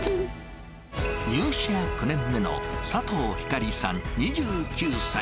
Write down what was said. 入社９年目の佐藤ひかりさん２９歳。